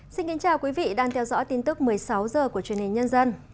xin kính chào quý vị đang theo dõi tin tức một mươi sáu h của truyền hình nhân dân